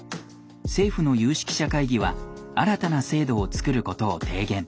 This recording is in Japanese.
政府の有識者会議は新たな制度を作ることを提言